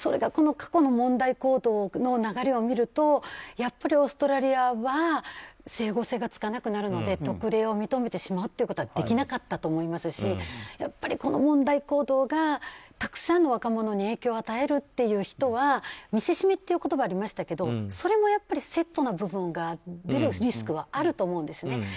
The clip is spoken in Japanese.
過去の問題行動の流れを見るとやっぱりオーストラリアは整合性がつかなくなるので特例を認めてしまうということはできなかったと思いますしこの問題行動がたくさんの若者に影響を与えるという人は見せしめという言葉がありましたけどそれもセットな部分があってリスクがあると思うんですね。